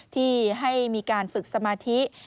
ที่ให้มีการฝึกสมาธิ